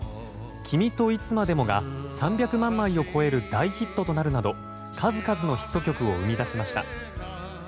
「君といつまでも」が３００万枚を超える大ヒットとなるなど、数々のヒット曲を生み出しました。